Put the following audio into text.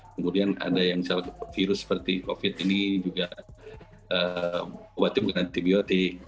kemudian ada yang misalnya virus seperti covid ini juga obatnya bukan antibiotik